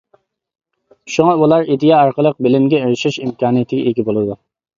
شۇڭا ئۇلار ئىدىيە ئارقىلىق بىلىمگە ئېرىشىش ئىمكانىيىتىگە ئىگە بولىدۇ.